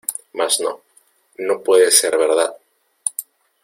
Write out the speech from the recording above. Mas no, no puede ser verdad